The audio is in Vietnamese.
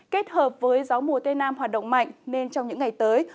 kết hợp với gió mùa tây nam hoạt động mạnh nên trong những ngày tới